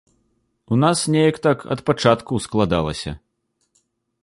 У нас неяк так ад пачатку складалася.